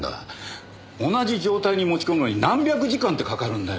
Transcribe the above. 同じ状態に持ち込むのに何百時間ってかかるんだよ。